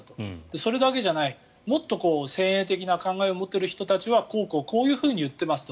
それだけじゃないもっと先鋭的な考えを持っている人たちはこうこう、こういうふうに言っていますと。